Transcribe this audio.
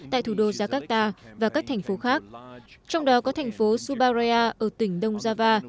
tại thủ đô jakarta và các thành phố khác trong đó có thành phố subaraya ở tỉnh đông java